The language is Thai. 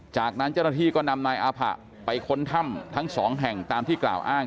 จากนั้นเจ้าหน้าที่ก็นำนายอาผะไปค้นถ้ำทั้งสองแห่งตามที่กล่าวอ้าง